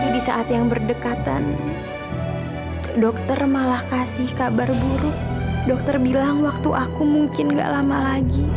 di saat yang berdekatan dokter malah kasih kabar buruk dokter bilang waktu aku mungkin gak lama lagi